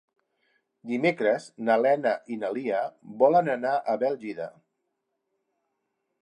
Dimecres na Lena i na Lia volen anar a Bèlgida.